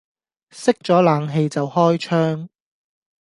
熄咗冷氣就開窗